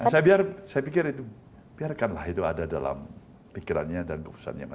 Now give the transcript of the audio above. saya pikir itu biarkanlah itu ada dalam pikirannya dan keputusannya